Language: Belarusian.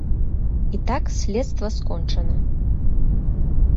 І так, следства скончана.